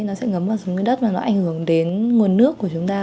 nó sẽ ngấm vào dưới đất và nó ảnh hưởng đến nguồn nước của chúng ta